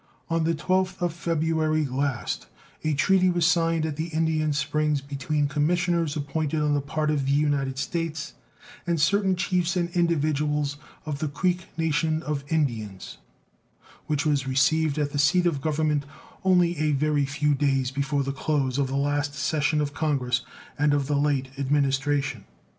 On the 12th of February last a treaty was signed at the Indian Springs between commissioners appointed on the part of the United States and certain chiefs and individuals of the Creek Nation of Indians, which was received at the seat of Government only a very few days before the close of the last session of Congress and of the late Administration.